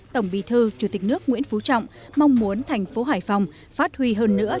tổng bí thư chủ tịch nước nguyễn phú trọng mong muốn thành phố hải phòng phát huy hơn nữa